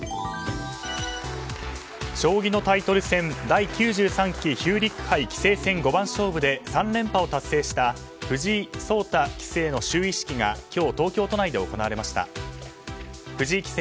将棋のタイトル戦第９３期ヒューリック杯棋聖戦五番勝負で３連覇を達成した就位式が今日、東京都内で行われました。